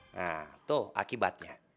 nah tuh akibatnya